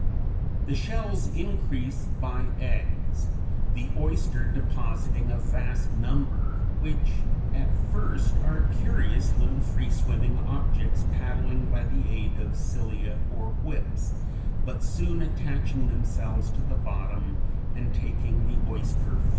The shells increase by eggs, the oyster depositing a vast number, which at first are curious little free swimming objects (Fig. 84) paddling by the aid of cilia or whips, but soon attaching themselves to the bottom and taking the oyster form. [Illustration: FIG.